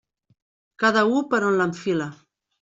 Cada u per on l'enfila.